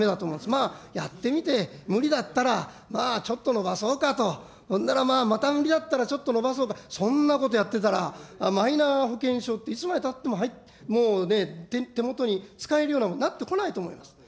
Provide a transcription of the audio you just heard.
まあ、やってみて無理だったら、まあ、ちょっと延ばそうかと、ほんなら、また無理だったら、ちょっと伸ばそうか、そんなことやってたら、マイナ保険証って、いつまでたってももう手元に使えるようなものになってこないと思います。